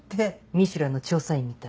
ミシュランの調査員みたい。